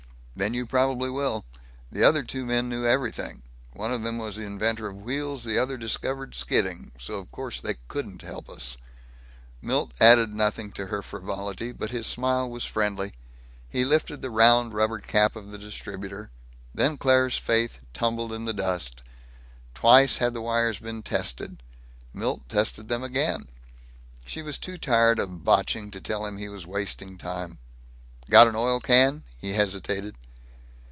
"Then you probably will. The other two men knew everything. One of them was the inventor of wheels, and the other discovered skidding. So of course they couldn't help me." Milt added nothing to her frivolity, but his smile was friendly. He lifted the round rubber cap of the distributor. Then Claire's faith tumbled in the dust. Twice had the wires been tested. Milt tested them again. She was too tired of botching to tell him he was wasting time. "Got an oil can?" he hesitated.